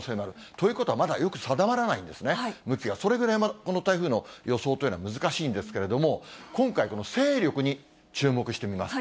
ということは、まだ、よく定まらないんですね、向きが、それぐらいこの台風の予想というのは難しいんですけれども、今回、勢力に注目してみます。